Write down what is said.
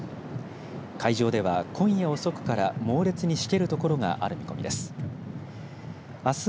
海上では今夜遅くから猛烈にしける所がある見込みです。